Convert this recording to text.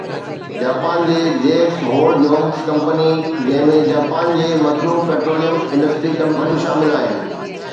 Japan جي JX Hold Youngs company, جنهن ۾ Japan جي متنوع پيٽروليم انڊسٽري ڪمپنيون شامل آهن